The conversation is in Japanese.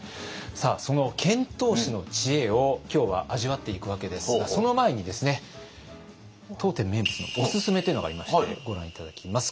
その遣唐使の知恵を今日は味わっていくわけですがその前にですね当店名物のおすすめというのがありましてご覧頂きます